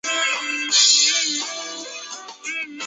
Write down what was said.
目前版本该预览器同样支持多核心。